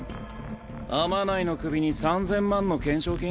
天内の首に３０００万の懸賞金？